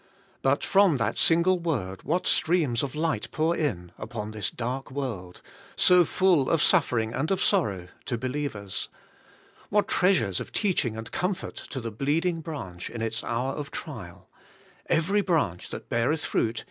But from that single word what streams of light pour in upon this dark world, so full of suffering and of sorrow to believers ! what treasures of teaching and comfort to the bleeding branch in its hour of 144 ABIDE IN CHRIST: trial : 'Every branch that beareth fruit.